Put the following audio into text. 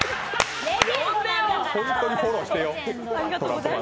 本当にフォローしてよ。